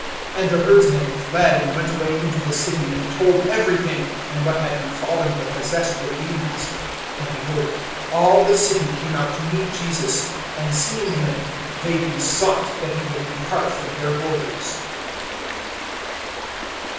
(33)And the herdsmen fled, and went away into the city, and told every thing, and what had befallen the possessed with demons. (34)And, behold, all the city came out to meet Jesus; and seeing him, they besought that he would depart from their borders.